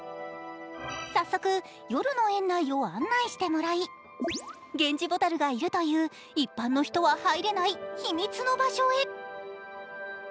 早速、夜の園内を案内してもらいゲンジボタルがいるという一般の人は入れない秘密の場所へ。